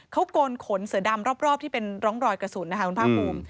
เขาโกนขนเสือดำรอบที่เป็นร่องรอยกระสุนนะคะคุณภาคภูมิ